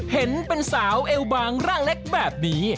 เห็นเป็นสาวเอวบางร่างเล็กแบบนี้